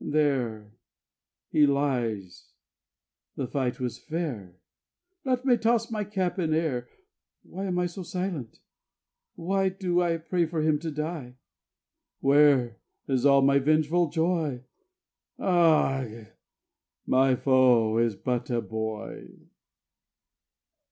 There he lies; the fight was fair; Let me toss my cap in air. Why am I so silent? Why Do I pray for him to die? Where is all my vengeful joy? Ugh! _MY FOE IS BUT A BOY.